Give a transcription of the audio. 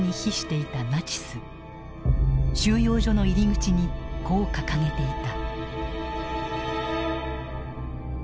収容所の入り口にこう掲げていた。